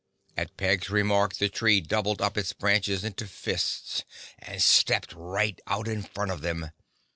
At Peg's remark the tree doubled up its branches into fists and stepped right out in front of them.